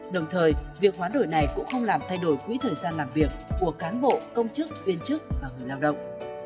đồng thời việc hoán đổi này cũng không làm thay đổi quỹ thời gian làm việc của cán bộ công chức viên chức và người lao động